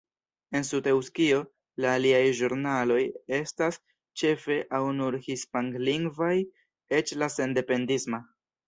En Sud-Eŭskio, la aliaj ĵurnaloj estas ĉefe aŭ nur hispanlingvaj, eĉ la sendependisma.